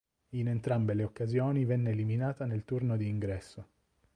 In entrambe le occasioni venne eliminata nel turno di ingresso.